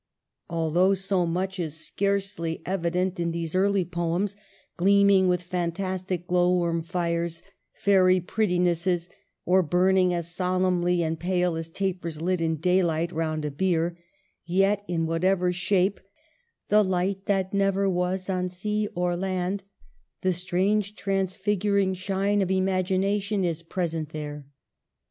Although so much is WRITING POETRY. 173 scarcely evident in these early poems, gleaming with fantastic glow worm fires, fairy prettinesses, or burning as solemnly and pale as tapers lit in daylight round a bier, yet, in whatever shape, " the light that never was on sea or land," the strange transfiguring shine of imagination, is present there.